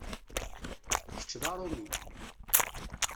Kečč d aṛumi.